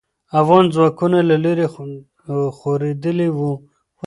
افغان ځواکونه له لرې خورېدلې وو.